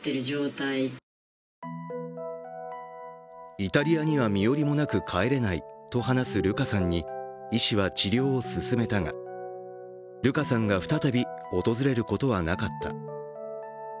イタリアには身寄りもなく帰れないと話すルカさんに医師は治療を勧めたが、ルカさんが再び訪れることはなかった。